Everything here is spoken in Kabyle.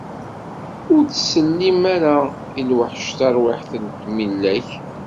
Ur ttsellim ara i lweḥc tarwiḥt n tmilla-k.